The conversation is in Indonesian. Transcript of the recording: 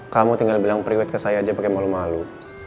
kamu tinggal bilang periwet ke saya aja pakai malu malu